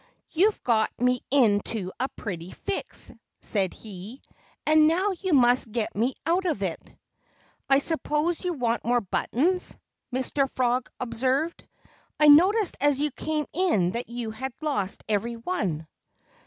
"You've got me into a pretty fix!" said he. "And now you must get me out of it." "I suppose you want more buttons," Mr. Prog observed. "I noticed as you came in that you had lost every one."